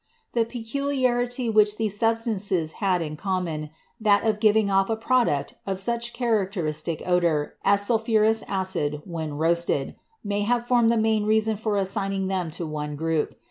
The peculiarity which these substances had in common, that of giving off a product of such characteristic odor as sulphurous acid, when roasted, may have formed the main reason for assigning them to one group.